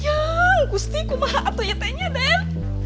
ya gusti kumahanak atunya tenya den